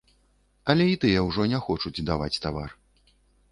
Але і тыя ўжо не хочуць даваць тавар.